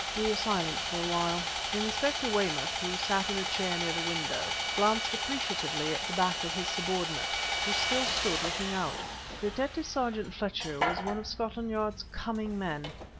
We were silent for awhile. Inspector Weymouth, who sat in a chair near the window, glanced appreciatively at the back of his subordinate, who still stood looking out. Detective sergeant Fletcher was one of Scotland Yard's coming men.